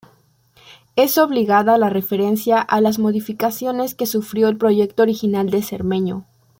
Es obligada la referencia a las modificaciones que sufrió el proyecto original de Cermeño.